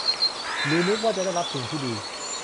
หรือนึกว่าจะได้รับสิ่งดี